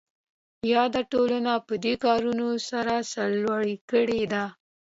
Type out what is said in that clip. یاده ټولنه پدې کارونو سره سرلوړې کړې ده.